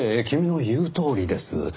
君の言うとおりです。